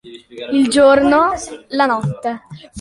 Il giorno, la notte.